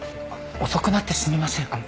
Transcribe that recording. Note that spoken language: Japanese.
遅くなってすみません。